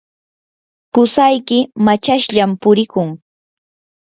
qusayki machashllam purikun.